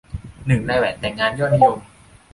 หนึ่งในแหวนแต่งงานยอดนิยม